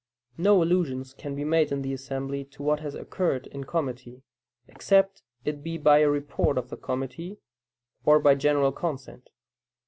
No allusion can be made in the assembly to what has occurred in committee, except it be by a report of the committee, or by general consent.